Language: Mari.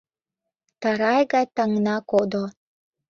Тарай гай таҥна кодо.